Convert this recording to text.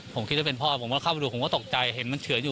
ผมคิดว่าเป็นพ่อผมก็เข้าไปดูผมก็ตกใจเห็นมันเฉืออยู่